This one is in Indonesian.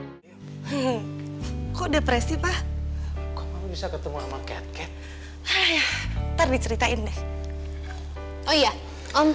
hai hehehe kok depresi pak bisa ketemu sama cat cat hai tar diceritain oh iya om